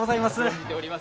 存じております。